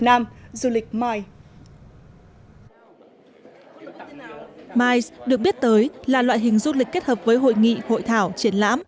nam du lịch mice mice được biết tới là loại hình du lịch kết hợp với hội nghị hội thảo triển lãm